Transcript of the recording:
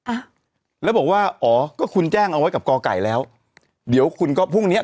อ่ะแล้วบอกว่าอ๋อก็คุณแจ้งเอาไว้กับกอไก่แล้วเดี๋ยวคุณก็พรุ่งเนี้ย